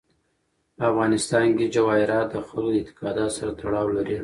په افغانستان کې جواهرات د خلکو د اعتقاداتو سره تړاو لري.